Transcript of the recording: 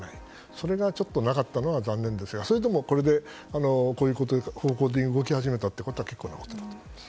それがなかったのが残念ですがそれでも、これでこういう方向で動き始めたことは結構なことだと思います。